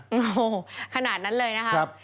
โอ้โหขนาดนั้นเลยนะครับ